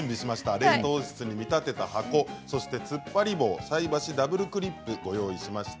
冷凍室に見立てた箱つっぱり棒、菜箸ダブルクリップをご用意しました。